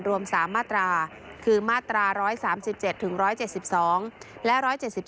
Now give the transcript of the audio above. รวม๓มาตราคือมาตรา๑๓๗๑๗๒และ๑๗๒